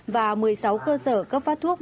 và một mươi sáu cơ sở cấp phát thuốc